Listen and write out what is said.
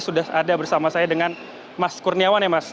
sudah ada bersama saya dengan mas kurniawan ya mas